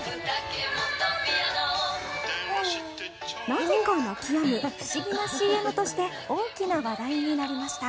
なぜか泣きやむ不思議なＣＭとして大きな話題になりました。